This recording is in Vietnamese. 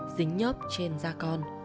dính nhớp trên da con